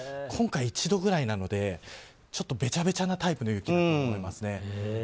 今回１度ぐらいなのでべちゃべちゃなタイプの雪だと思います。